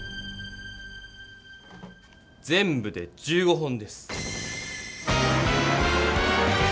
全部で１５本です。